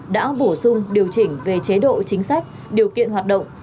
đã bổ sung điều chỉnh về chế độ chính sách điều kiện hoạt động